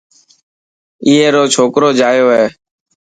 اي رو ڇوڪرو جايو هي.